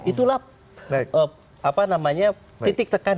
itulah titik tekan